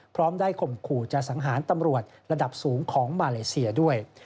พร้อมได้ข่มขู่จะสังหารตำรวจระดับสูงของมาเลเซียด้วย